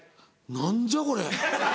何じゃこれ。